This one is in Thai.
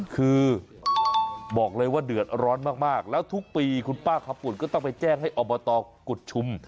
คือบอกเลยว่าเดือดร้อนมากแล้วทุกปีคุณป้าคำปุ่นก็ต้องไปแจ้งให้อบตกุฎชุม